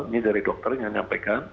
ini dari dokter yang menyampaikan